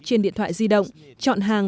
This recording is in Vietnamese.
trên điện thoại di động chọn hàng